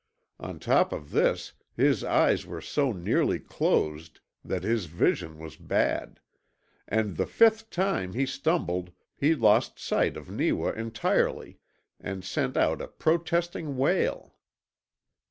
On top of this his eyes were so nearly closed that his vision was bad, and the fifth time he stumbled he lost sight of Neewa entirely, and sent out a protesting wail.